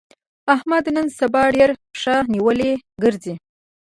احمد نن سبا ډېر پښه نيولی ګرځي.